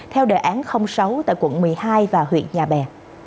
theo đề án sáu tại quận một mươi hai và huyện nhà bè